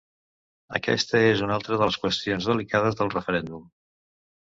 Aquesta és una altra de les qüestions delicades del referèndum.